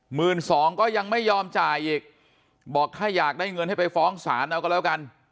หมื่นสองก็ยังไม่ยอมจ่ายอีกบอกถ้าอยากได้เงินให้ไปฟ้องศาลเอาก็แล้วกัน